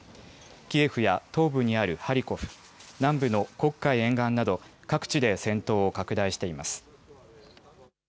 キエフや東部にあるハリコフ、南米の黒海沿岸など各地で戦闘を拡大しています。